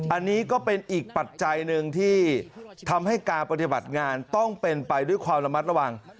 อันนี้ก็เป็นอีกปัจจัยหนึ่งที่ทำให้การปฏิบัติงานต้องเป็นไปด้วยความระมัดระวัง